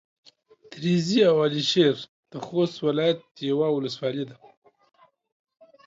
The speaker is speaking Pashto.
تريزي او على شېر د خوست ولايت يوه ولسوالي ده.